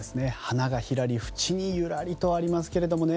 花がひらり淵にゆらりとありますね。